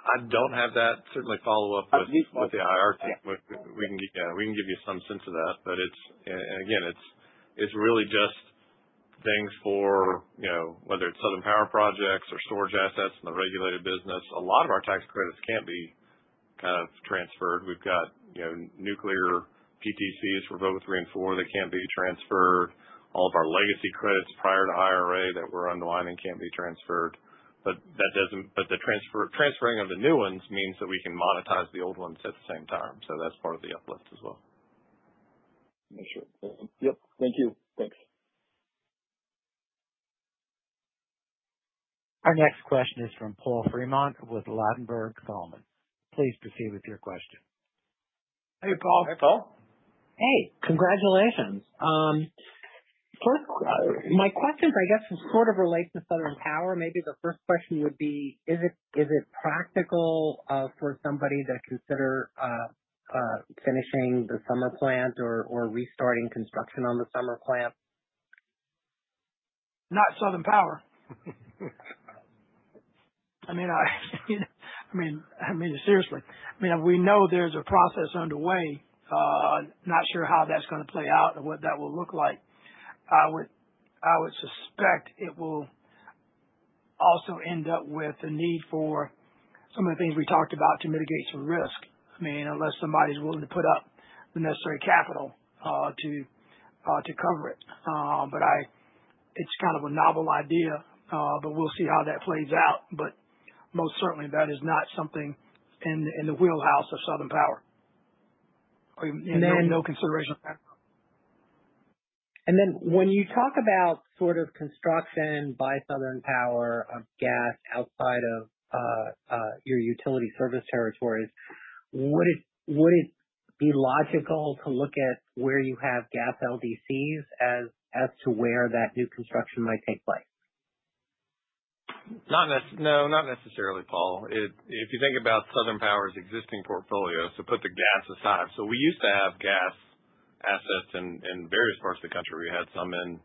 I don't have that. Certainly follow up with the IR team. We can give you some sense of that. But again, it's really just things for whether it's Southern Power projects or storage assets in the regulated business. A lot of our tax credits can't be kind of transferred. We've got nuclear PTCs for Vogtle 3 and 4. They can't be transferred. All of our legacy credits prior to IRA that we're utilizing can't be transferred. But the transferring of the new ones means that we can monetize the old ones at the same time. So that's part of the uplift as well. Thank you. Our next question is from Paul Fremont with Ladenburg Thalmann. Please proceed with your question. Hey, Paul. Hey, Paul. Hey. Congratulations. My questions, I guess, sort of relate to Southern Power. Maybe the first question would be, is it practical for somebody to consider finishing the Summer plant or restarting construction on the Summer plant? Not Southern Power. I mean, seriously, I mean, we know there's a process underway. Not sure how that's going to play out and what that will look like. I would suspect it will also end up with a need for some of the things we talked about to mitigate some risk. I mean, unless somebody's willing to put up the necessary capital to cover it. But it's kind of a novel idea, but we'll see how that plays out. But most certainly, that is not something in the wheelhouse of Southern Power. I mean, no consideration of that. When you talk about sort of construction by Southern Power of gas outside of your utility service territories, would it be logical to look at where you have gas LDCs as to where that new construction might take place? No, not necessarily, Paul. If you think about Southern Power's existing portfolio, so put the gas aside. So we used to have gas assets in various parts of the country. We had some in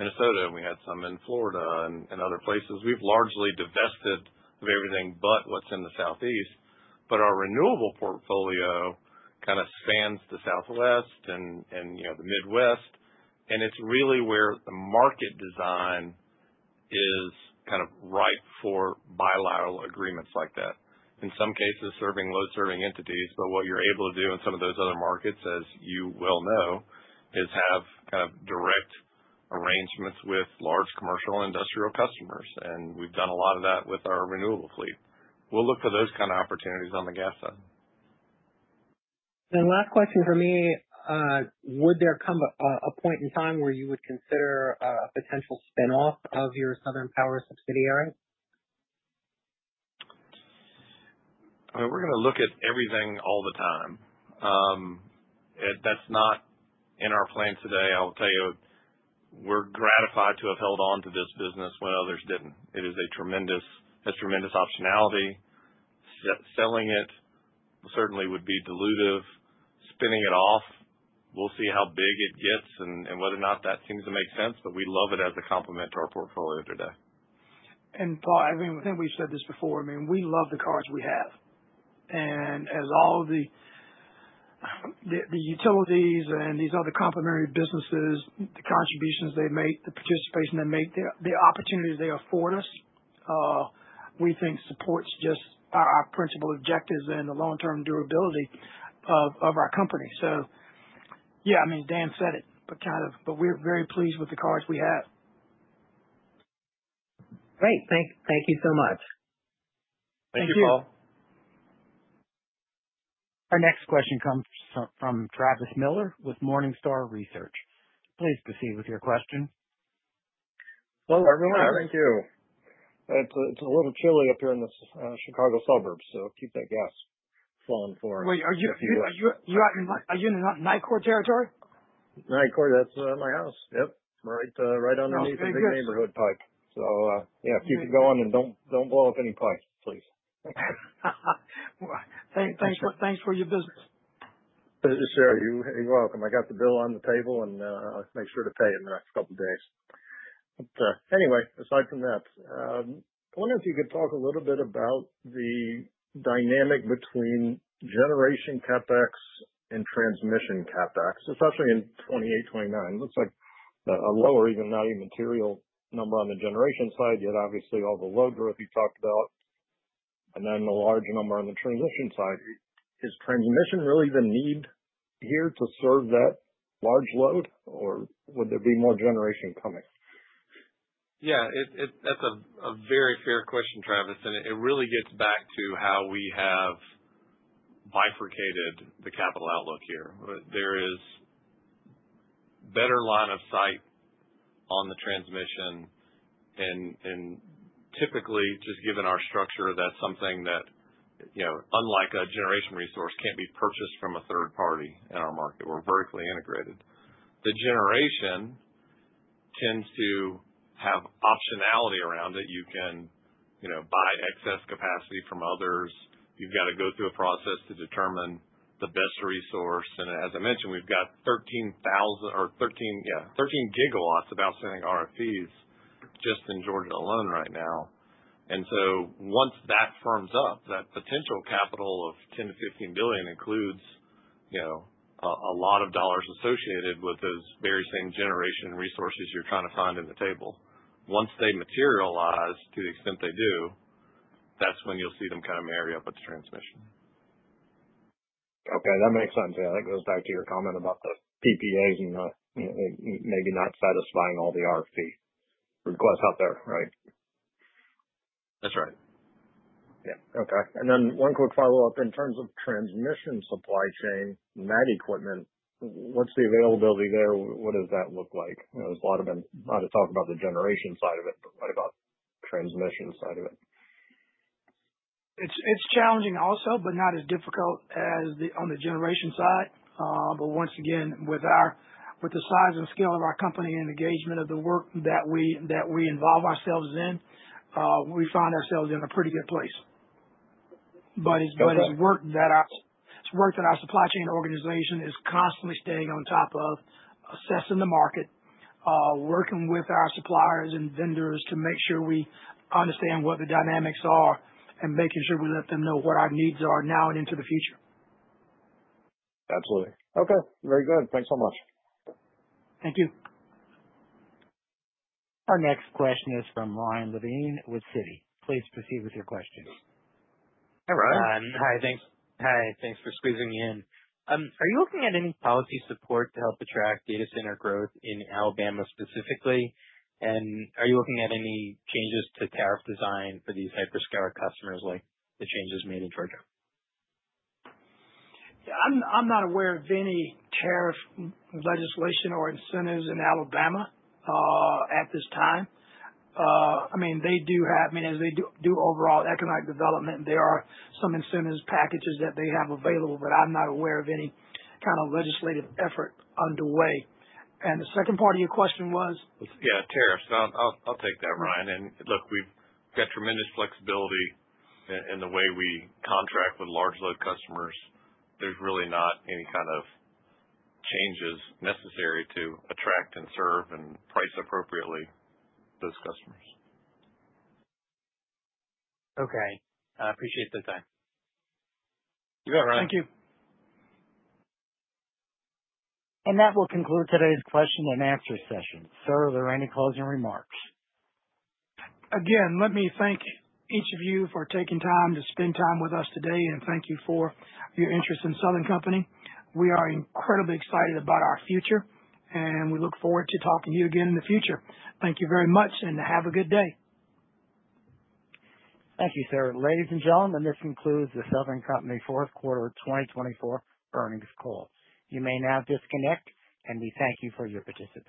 Minnesota, and we had some in Florida and other places. We've largely divested of everything but what's in the Southeast. But our renewable portfolio kind of spans the Southwest and the Midwest, and it's really where the market design is kind of ripe for bilateral agreements like that. In some cases, serving load-serving entities. But what you're able to do in some of those other markets, as you well know, is have kind of direct arrangements with large commercial industrial customers. And we've done a lot of that with our renewable fleet. We'll look for those kind of opportunities on the gas side. Last question for me, would there come a point in time where you would consider a potential spinoff of your Southern Power subsidiary? I mean, we're going to look at everything all the time. That's not in our plan today. I will tell you, we're gratified to have held on to this business when others didn't. It has tremendous optionality. Selling it certainly would be dilutive. Spinning it off, we'll see how big it gets and whether or not that seems to make sense, but we love it as a complement to our portfolio today. And Paul, I mean, I think we've said this before. I mean, we love the cards we have. And as all of the utilities and these other complementary businesses, the contributions they make, the participation they make, the opportunities they afford us, we think supports just our principal objectives and the long-term durability of our company. So yeah, I mean, Dan said it, but kind of, we're very pleased with the cards we have. Great. Thank you so much. Thank you, Paul. Thank you. Our next question comes from Travis Miller with Morningstar Research. Please proceed with your question. Hello, everyone. Thank you. It's a little chilly up here in the Chicago suburbs, so keep that gas flowing for us. Wait, are you in the Nicor territory? Gas, that's my house. Yep. Right underneath the big neighborhood pipe. So yeah, if you could go on and don't blow up any pipes, please. Thanks for your business. Sure. You're welcome. I got the bill on the table, and I'll make sure to pay it in the next couple of days. But anyway, aside from that, I wonder if you could talk a little bit about the dynamic between generation CapEx and transmission CapEx, especially in 2028, 2029. Looks like a lower, even not immaterial number on the generation side, yet obviously all the load growth you talked about, and then the large number on the transmission side. Is transmission really the need here to serve that large load, or would there be more generation coming? Yeah. That's a very fair question, Travis. And it really gets back to how we have bifurcated the capital outlook here. There is better line of sight on the transmission. And typically, just given our structure, that's something that, unlike a generation resource, can't be purchased from a third party in our market. We're vertically integrated. The generation tends to have optionality around it. You can buy excess capacity from others. You've got to go through a process to determine the best resource. And as I mentioned, we've got 13,000 or 13, yeah, 13 gigawatts of outstanding RFPs just in Georgia alone right now. And so once that firms up, that potential capital of $10-15 billion includes a lot of dollars associated with those very same generation resources you're trying to find in the table. Once they materialize to the extent they do, that's when you'll see them kind of marry up with the transmission. Okay. That makes sense. Yeah. That goes back to your comment about the PPAs and maybe not satisfying all the RFP requests out there, right? That's right. Yeah. Okay. And then one quick follow-up. In terms of transmission supply chain, that equipment, what's the availability there? What does that look like? There's a lot of talk about the generation side of it, but what about the transmission side of it? It's challenging also, but not as difficult on the generation side. But once again, with the size and scale of our company and engagement of the work that we involve ourselves in, we find ourselves in a pretty good place. But it's work that our supply chain organization is constantly staying on top of, assessing the market, working with our suppliers and vendors to make sure we understand what the dynamics are and making sure we let them know what our needs are now and into the future. Absolutely. Okay. Very good. Thanks so much. Thank you. Our next question is from Ryan Levine with Citi. Please proceed with your question. Hey, Ryan. Hi. Thanks for squeezing in. Are you looking at any policy support to help attract data center growth in Alabama specifically? And are you looking at any changes to tariff design for these hyper-scale customers like the changes made in Georgia? I'm not aware of any tariff legislation or incentives in Alabama at this time. I mean, they do have I mean, as they do overall economic development, there are some incentive packages that they have available, but I'm not aware of any kind of legislative effort underway. And the second part of your question was. Yeah, tariffs. I'll take that, Ryan. And look, we've got tremendous flexibility in the way we contract with large load customers. There's really not any kind of changes necessary to attract and serve and price appropriately those customers. Okay. I appreciate the time. You bet, Ryan. Thank you. That will conclude today's question and answer session. Sir, are there any closing remarks? Again, let me thank each of you for taking time to spend time with us today and thank you for your interest in Southern Company. We are incredibly excited about our future, and we look forward to talking to you again in the future. Thank you very much, and have a good day. Thank you, sir. Ladies and gentlemen, this concludes the Southern Company fourth quarter 2024 earnings call. You may now disconnect, and we thank you for your participation.